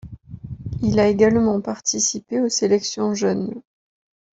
Il a également participé aux sélections jeunes.